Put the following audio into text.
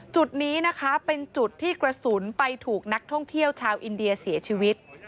จุดนี้นะคะเป็นจุดที่กระสุนไปถูกนักท่องเที่ยวชาวอินเดียเสียชีวิต